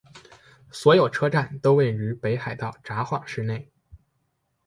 所有车站都位于北海道札幌市内。